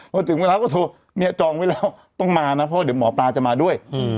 พอถึงเวลาก็โทรเนี่ยจองไว้แล้วต้องมานะเพราะเดี๋ยวหมอปลาจะมาด้วย